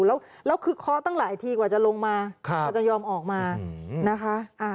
แล้วคือเคาะตั้งหลายทีกว่าจะลงมากว่าจะยอมออกมานะคะ